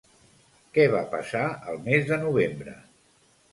Què va passar el mes de novembre?